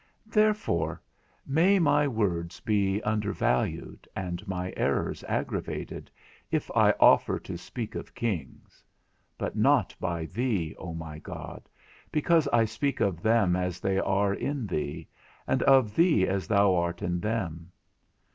_ Therefore may my words be undervalued and my errors aggravated, if I offer to speak of kings; but not by thee, O my God, because I speak of them as they are in thee, and of thee as thou art in them.